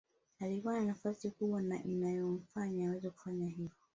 Alikuwa na nafasi kubwa na inayomfanya aweze kufanya hivyo